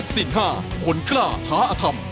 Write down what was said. สิน๕ผลกล้าท้าอธรรม